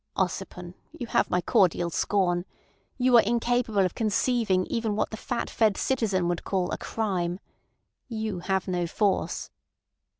Ossipon, you have my cordial scorn. You are incapable of conceiving even what the fat fed citizen would call a crime. You have no force."